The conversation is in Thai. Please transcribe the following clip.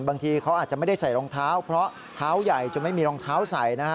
บางทีเขาอาจจะไม่ได้ใส่รองเท้าเพราะเท้าใหญ่จนไม่มีรองเท้าใส่นะฮะ